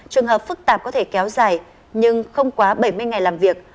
trường hợp phức tạp có thể kéo dài nhưng không quá bảy mươi ngày làm việc